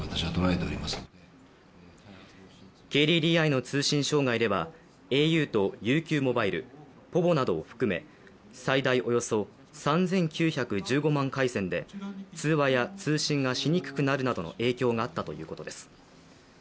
ＫＤＤＩの通信障害ではａｕとＵＱｍｏｂｉｌｅ、ｐｏｖｏなどを含め、最大およそ３５００回線など、通話や通信がしにくくなるなどの影響があったということです。